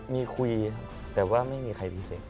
มีคุยครับแต่ว่าไม่มีใครพิเศษ